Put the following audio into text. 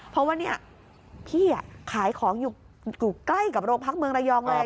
เพราะว่าเนี่ยพี่ขายของอยู่ใกล้กับโรงพักเมืองระยองเลย